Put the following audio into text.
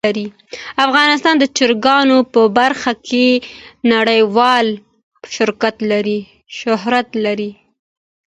افغانستان د چرګانو په برخه کې نړیوال شهرت لري.